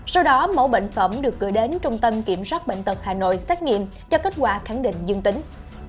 sau đó mẫu bệnh phẩm được gửi đến trung tâm kiểm soát bệnh tật hà nội xét nghiệm cho kết quả khẳng định dương tính